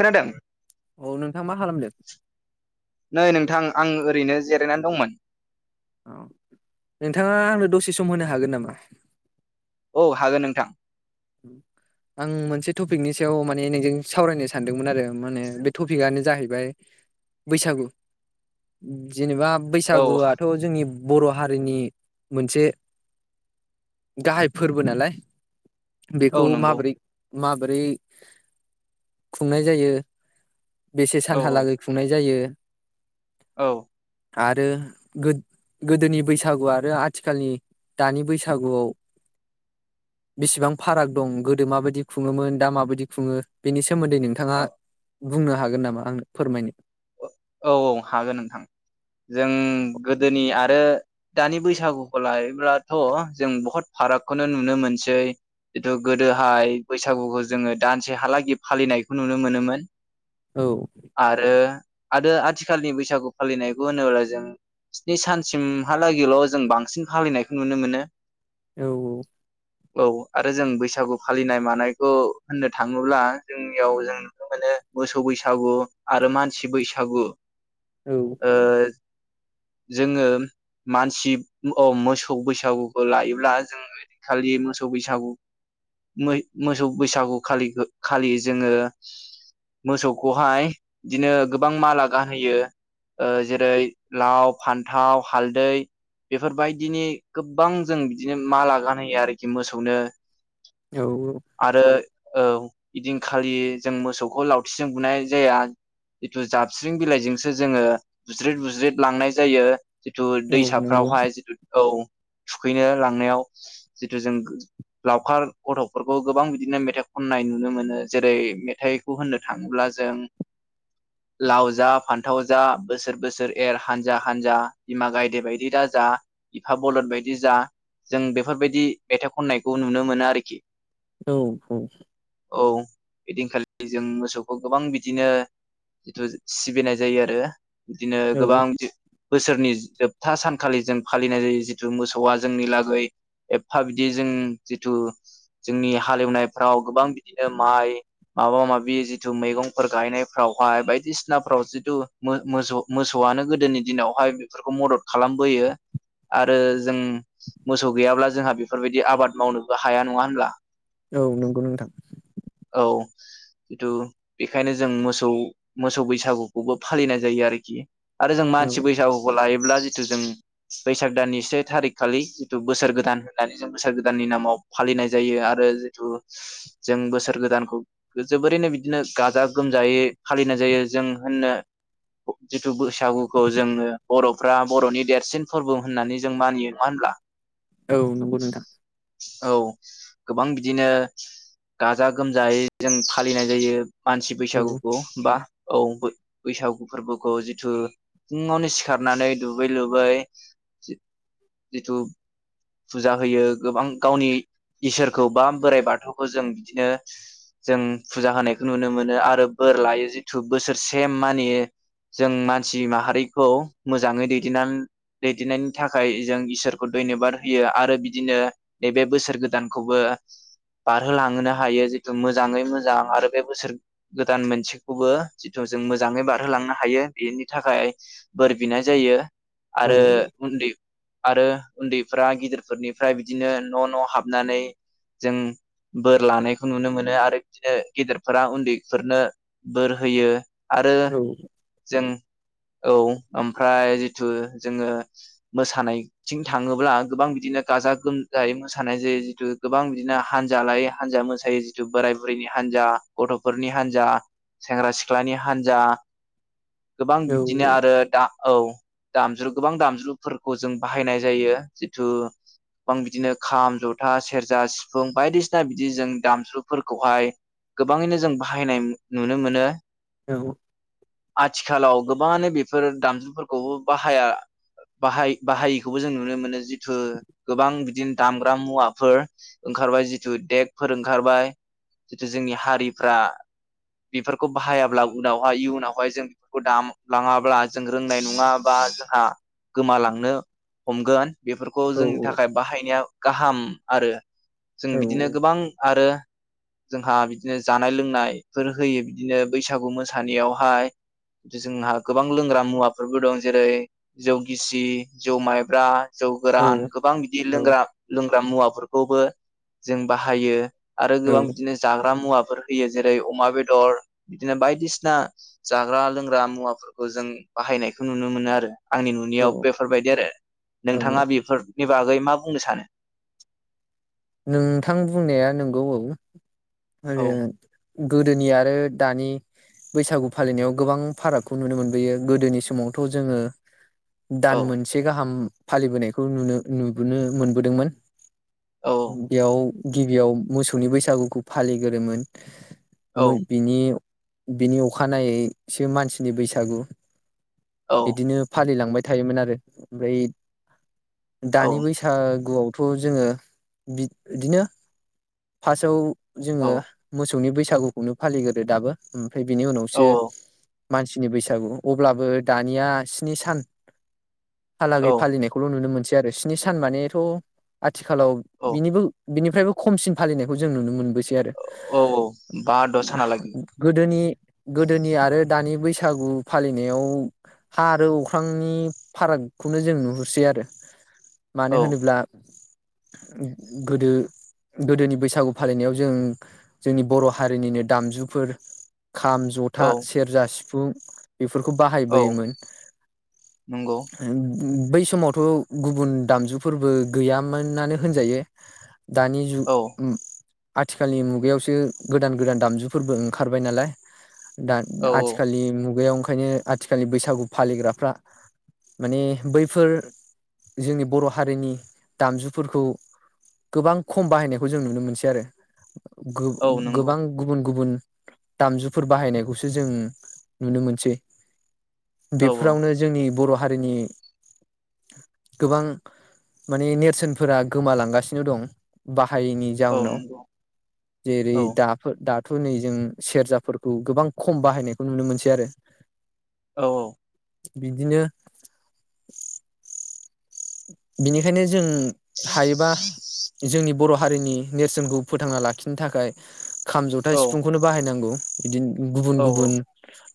खोनादों? औ नोंथां मा खालामदो? नै नोंथां आं ओरैनो जिरायनानै दंमोन। औ नोंथाङा आंनो दसे सम होनो हागोन नामा? औ हागोन नोंथां। आं मोनसे टपिकनि सायाव माने नोंजों सावरायनो सानदोंमोन आरो माहोनो बे टपिकआनो जाहैबाय बैसागु। जेनेबा औ बैसागुआथ जोंनि बर' हारिनि मोनसे गाहाय फोरबो नालाय। औ बेखौ नंगौ माबोरै माबोरै खुंनाय जायो बेसे औ सानहालागै खुंनाय जायो औ। आरो गोद-गोदोनि बैसागु आरो आथिखालनि दानि बैसागुआव बेसेबां फाराग दं गोदो माबायदि खुङोमोन दा माबायदि खुङो बेनि सोमोन्दै नोंथाङा औ बुंनो हागोन नामा आंनो फोरमायनो? औ औ हागोन नोंथां जों गोदोनि आरो दानि बैसागुखौ लायोब्लाथ' जों बहुद फारागखौनो नुनो मोनसै जिथु गोदोहाय बैसागुखौ जोङो दानसे हालागै फालिनायखौ नुनो मोनोमोन। औ आरो आरो आथिखालनि बैसागु फालिनायखौ होनोब्ला जों स्नि सानसिमहालागैल' जों बांसिन फालिनायखौ नुनो मोनो। औ औ। औ आरो जों बैसागु फालिनाय मानायखौ होननो थाङोब्ला जोंनियाव जों नुनो मोनो मोसौ बैसागु आरो मान सि बैसागु। औ। ओ जोङो मानसि अ मोसौ बैसागुखौ लायोब्ला जोङो खालि मोसौ बैसागु मोसौ बैसागु खालि खालि जोङो मोसौखौहाय बिदिनो गोबां माला गानहोयो जेरै लाव फान्थाव हालदै बेफोरबायदिनि गोबां जों बिदिनो मा लागान होयो आरोखि मोसौनो। औ आरो औ इदिनखालि जों मोसौखौ लावथिजों बुनाय जाया। जिथु जाबस्रिं बिलाइजोंसो जोङो बुज्रिद बुज्रिद लांनाय जायो। जिथु औ नंगौ दैसाफ्रावहाय जितु औ। थुखैनो लांनायाव जिथु जों लावखार गथ'फोरखौ गोबां बिदिनो मेथाइ खननाय नुनो मोनो जेरै मेथाइखौ होननो थाङोब्ला जों लाव जा फान्थाव जा बोसोर बोसोर एर हानजा हानजा बिमा गायदे बायदि दा जा बिफा बलद बायदि जा जों बेफोरबायदि मेथाइ खननायखौ नुनो मोनो आरोखि। औ औ। औ ओइदिनखालि जों मोसौखौ गोबां बिदिनो जिथु सिबिनाय जायो आरो। बिदिनो गोबां औ बोसोरनि जोबथा सानखालि जों फालिनाय जायो जिथु मोसौआ जोंनि लागै एफफा बिदि जों जिथु जोंनि हालेवनायफ्राव गोबां बिदिनो माइ माबा माबि जिथु मैगंफोर गायनाय फ्रावहाय बायदिसिनाफ्राव जितु मो-मोसौ मोसौआनो गोदोनि दिनावहाय बेफोरखौ मदद खालामबोयो आरो जों मोसौ गैयाब्ला जोंहा बेफोरबायदि आबाद मावनोबो हाया नङा होनब्ला। औ नंगौ नोंथां। औ जिथु बेखायनो जों मोसौ मोसौ बैसागुखौबो फालिनाय जायो आरोखि। आरो जों औ मानसि बैसागुखौ लायो ब्ला जिथु जों बैसाग दाननि से थारिख खालि जिथु बोसोर गोदान होननानै जों बोसोर गोदाननि नामाव फालिनाय जायो आरो जिथु जों बोसोर। गोदानखौ जोबोरैनो बिदिनो गाजा गोमजायै फालिनाय जायो जों होननो जिथु बैसागुखौ जोङो बर'फ्रा बर'नि देरसिन फोरबो होननानै जों मानियो नङा होनब्ला। औ नंगौ नोंथां औ गोबां बिदिनो गा जा गोमजायै जों फालिनाय जायो। मानसि औ बैसागुखौ बा। औ बै-बैसागु फोरबोखौ जिथु फुङावनो सिखारनानै दुगै लोबै जिथु फुजा होयो गोबां गावनि इसोरखौ बा बोराइ बाथौखौ जों। दिनो जों फुजा होनायखौ नुनो मोनो आरो बोर लायो जिथु बोसोरसे माने जों मानसि माहारिखौ मोजाङै दैदेननान दैदेननायनि थाखाय जों इसोरखौ धन्यबाद होयो आरो बिदिनो एबे बोसोर गोदानखौबो बारहोलांहोनो हायो जिथु मोजाङै मोजां आरो बे बोसोर गोदान मोनसेखौबो जिथु जों मोजाङै बारहोलांनो हायो बेनि थाखाय बोर बिनाय जायो। औ आरो उन्दै आरो उन्दैफ्रा गिदिरफोरनिफ्राय बिदिनो न' न' हाबनानै जों बोर लानायखौ नुनो मोनो आरो बिदिनो गेदेरफोरा उन्दैफोरनो बोर होयो। आरो औ जों औ ओमफ्राय जिथु जोङो मोसानायथिं थाङोब्ला गोबां बिदिनो गाजा गोमजायै मोसानाय जायो जिथु गोबां बिदिनो हानजा लायै हानजा मोसायो जिथु बोराय बुरैनि हान्जा गथ'फोरनि हान्जा सेंग्रा सिख्लानि हान्जा। गोबां औ बिदिनो आरो दा औ। दामज्रु गोबां दामज्रुफोरखौ जों बाहायनाय जायो जिथु गोबां बिदिनो खाम जथा सेरजा सिफुं बायदिसिना बि जि जों दामज्रुफोरखौहाय गोबाङैनो जों बाहायनाय नुनो मोनो। औ। आथिखालाव गोबाङानो बेफोर दामजुफोरखौबो बाहाया बाहाय बाहायिखौबो जों नुनो मोनो जिथु गोबां बिदिनो दामग्रा मुवाफोर ओंखारबाय जिथु देग फोर ओंखारबाय जितु जोंनि हारिफ्रा बेफोरखौ बाहायाब्ला उनावहाय इयुनावहाय जों [unintelligible] खौ दाम लाङाब्ला जों रोंनाय नङा बा जोंहा गोमालांनो हमगोन। बेफोरखौ औ जोंनि थाखाय बाहायनाया गाहाम आरो। जों बिदिनो गोबां आरो जोंहा बिदिनो जानाय लोंनायफोर होयो बिदिनो बैसागु मोसानायावहाय जोंहा गोबां लोंग्रा मुवाफोरबो दं जेरै जौ गिसि जौ माइब्रा जौ गोरान गोबां बिदि लोंग्रा लों ग्रा मुवाफोरखौबो जों बाहायो। आरो औ गोबां बिदिनो जाग्रा मुवा फोर होयो जेरै अमा बेदर बिदिनो बायदिसिना जाग्रा लोंग्रा मुवाफोरखौ जों बाहायनायखौ नुनो मोनो आरो। आंनि नुनायाव बेफोरबायदि आरो नोंथाङा औ बेफोर नि बागै मा बुंनो सानो? नोंथां बुंनाया नंगौ औ। औ [unintelligible] गोदोनि आरो दानि बैसागु फालिनायाव गोबां फारागखौ नुनो मोनबोयो गोदोनि समावथ' जोङो औ दान मोनसे गाहाम फालिबोनायखौ नुनो नुबोनो मोनबोदोंमोन। औ बेयाव गिबियाव मोसौनि बैसागुखौ फालिग्रोमोन। औ मोन बिनि बिनि अखानायैसो मानसिनि बैसागु औ बिदिनो फालिलांबाय थायोमोन आरो ओमफ्राय दानि बैसागुआव थ' जोङो बिद बिदिनो फास्टआव जोङो औ मोस सौनि बैसागुखौनो फालिग्रो दाबो उम फ्राय बेनि उनावसो मानसिनि बैसागु अब्लाबो दानिया स्नि सान औ हालागै फालिनायखौल' नुनो मोनसै। आरो स्नि सान मानेथ' आथिखालाव औ बिनिबो बिनिफ्रायबो खमसिन फालिनायखौ जों नुनो मोनबैस सै आरो औ बा द' सानालागि गोदोनि गोदोनि आरो दानि बैसागु फालिनायाव हा आरो अख्रांनि फारागखौनो जों नुहुरसै आरो मानो औ होनोब्ला घोओं गोदो गोदोनि बैसागु फालिनायाव जों जोंनि बर' हारिनिनो दामजुफोर खाम, औ जथा, सेरजा, सिफुं [inaudible] बेफोरखौ औ बाहायबोयो‌ मोन नंगौ हों उम बै समावथ' गुबुन दामजुफोरबो गैयामोनानो होनजायो। दानि जु औ उम आथिखालनि मुगायावसो गोदान गोदान दामजुफोरबो ओंखारबाय नालाय दाद औ आथिखालनि मुगायाव ओंख ओंखायनो आथिखालनि बैसागु फालिग्राफ्रा माने बैफोर जोंनि बर' हारिनि दामजुफोरखौ गोबां खम बाहायनायखौ जों नुनो मोनसै आरो गो औ नंगौ गोबां गुबुन गुबुन दामजुफोर बाहायनायखौसो जों नुनो मोनसै। औ औ बेफोरावनो जोंनि बर' हारिनि गोबां माने नेरसोनफोरा गोमालांगासिन सेनो दं बा हायैनि औ जाउनाव नंगौ जेरै औ दाफोर दा थु नै जों सेरजाफोरखौ गोबां खम बाहायनायखौ नुनो मोनसै आरो औ औ बिदिनो बिनिखायनो ज जों हायोबा जोंनिब बर' हारिनि नेरसोनखौ फोथांना लाखिनो थाखाय खाम जथा औ सिफुंखौनो बाहायनांगौ। बिदिनो। गुबुन गुबुन।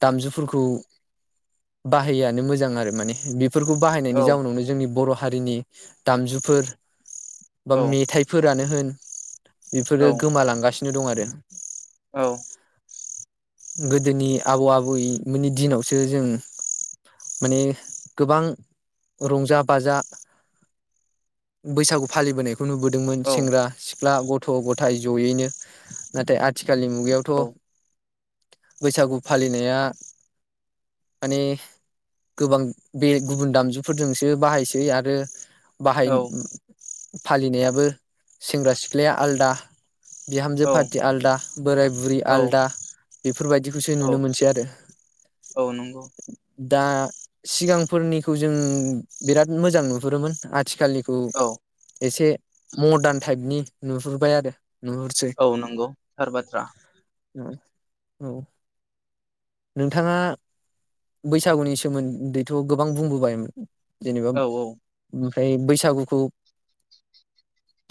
दामजुफोरखौ बाहायैआनो मोजां आरो माने बेफोरखौ औ बाहायनायनि जाउनावनो जोंनि बर' हा हारिनि दामजुफोर। बा औ मेथाइफोरानो होन उम। बेफोरो गोमा लांगासिनो। दं आरो। औ। गोदोनि आबौ आबैमोननि दिनावसो जों माने गोबां रंजा बाजा। बैसागु फालिबोनाय बो नुबोदोंमोन सेंग्रा सिख ब्ला गथ गथाय जयैनो नाथाय आथि थिखालनि मुगायावथ। बैसागु फालिनाया माने गोबां बे गुबुन दामजुफोरजोंसो बाहायसै आरो रो बाहाय फालिनायाबो सेंग्रा सिख्लाया आलदा। बिहामजो औ फारथि आलदा बोराय बुरि औ आलदा। बेफोरबायदिखौसो औ नुनोमोनसैआरो। औ नंगौ दा सिगांफोरनिखौजों बिराद मोजां नु बुरोमोन आथिखालनि। औ एसे। मदान टायपनि नुहुरबायआरो। औ नंगौ थार बाथ्रा। औ औ। नोंथाङा बैसागुनि सोमोन्दैथ गोबां बुंबोबायमोन। जेनेबा औ औ उम। बै बैसागुखौ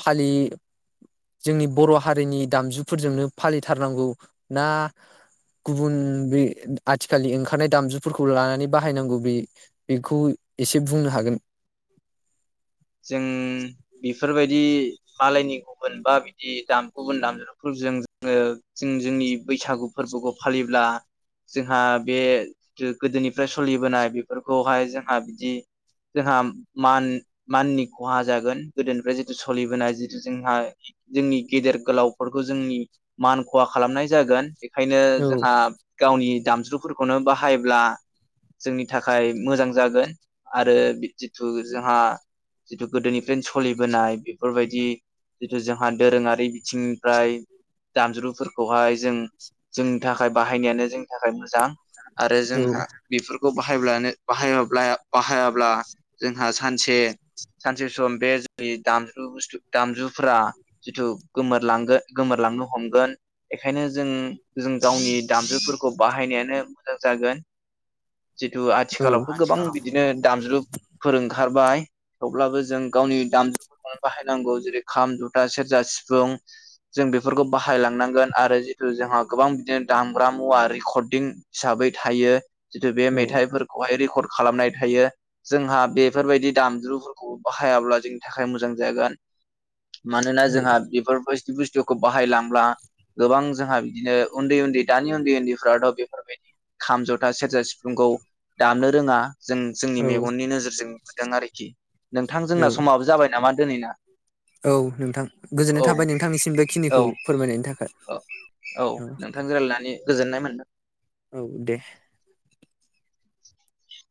फालि जोंनि बर हारिनि दामजुफोरजोंनो फालिथारनांगौ ना गुबुन बेय आथिखालनि ओंखारनाय दामजुफोरखौ लानानै बाहायनांगौ बे बेखौ एसे बुंनोहागोन। जों बेफोरबायदि। मालायनि गुबुन बा बिदि दाम गुबुन दामजुफोरजों जोङो जों जोंनि बैसागु फोरबोखौ फालिब्ला जोंहा बे जो गोदोनिफ्राय सलिबोनाय बेफोरखौहाय जोंहा बिदि जोंहा मान। माननि खहाजागोन गोदोनिफ्राय जितु सलिबोनाय जिथु जोंहा जोंनि गेदेर गोलावफोरखौ जोंनि मान खहा खालामनाय जागोन। बेखायनो औ जोंहा गावनि दामज्रुफोरखौनो बाहायोब्ला जोंनि थाखाय मोजां जागोन आरो जिथु जोंहा जिथु गोदोनिफ्रायनो सलिबोनाय बेफोरबायदि जिथु जोंहा दोरोङारि बिथिंनिफ्राय दामज्रुफोरखौहाय जों जोंनि थाखाय बाहायनायानो जोंनिथाखाय मोजां। आरो औ जोंहा बेफोरखौ। बाहायब्लानो बाहायो ब्लाया बाहायाब्ला जोंहा सानसे। सानसेसम बे जों दामजु बुस्थु दामजुफ्रा जिथु गोमोरलांगोन गोमोरलांनो हमगोन बेखायनोजों जों गावनि दामजुफोरखौ बाहायनायानो मोजां जागोन। जितु औ आथिखालावथ गोबां बिदिनो दामज्लु फोरोंग खारबाय। थेवब्लाबो जों गावनि दामजुफोरखौनो बाहायनांगौ जेरै खाम जुथा सेरजा सिफुं जों बेफोरखौ बाहायलांनांगोन आरो जितु जोंहा गोबां बिदिनो दामग्रा मुवा रेकर्डदिं हिसाबै थायो। जिथु बे औ मेथाइफोरखौहाय रेखर खालामनाय थायो जोंहा बेफोरबायदि दामज्लु। फोरखौ बाहायाब्ला जोंनिथाखाय मोजां जागोन। मानोना जोंहा बेफोरफोर बुस बुस्थुखौ बाहायलांब्ला गोबां जोंहा बिदिनो उन्दै उन्दै दानि उन्दै उन्दैफ्राथ बेफोरबायदि खाम जथा सेरजा सिफुंखौ दामनो रोङा। जों जोंनि औ मेगननि नोजोरजों नुबोदों आरोखि। नोंथां औ जोंना समाबो जाबाय नाम- मा दोनै ना औ नोंथां गोजोननाय थाबाय नोंथांनिसिम औ बेखिनिखौ फोरमायनायनि औ थाखाय औ नोंथांजों रायलायनानै गोजोननाय मोनदों औ दे [inaudible]